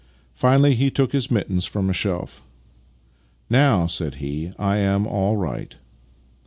Finally he took his mittens from a shelf. " Now," said he, " I am all right."